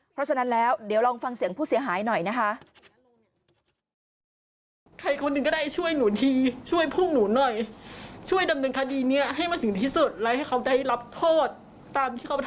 เพราะฉะนั้นแล้วเดี๋ยวลองฟังเสียงผู้เสียหายหน่อยนะคะ